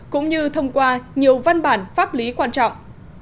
cũng như thông qua nhiều văn bản pháp lý quan trọng